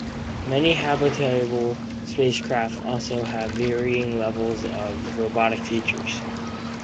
Many habitable spacecraft also have varying levels of robotic features.